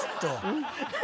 うん。